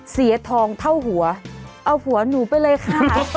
เสียทองเท่าหัวเอาหัวหนูไปเลยค่ะ